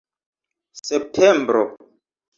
septembro